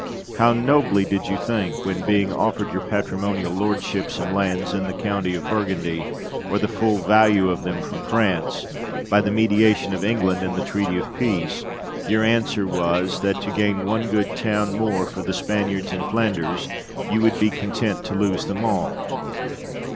How nobly did you think when, being offered your patrimonial lordships and lands in the county of Burgundy, or the full value of them from France, by the mediation of England in the treaty of peace, your answer was, "That to gain one good town more for the Spaniards in Flanders you would be content to lose them all!"